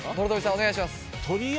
お願いします。